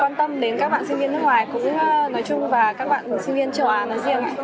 quan tâm đến các bạn sinh viên nước ngoài cũng nói chung và các bạn sinh viên châu á nói riêng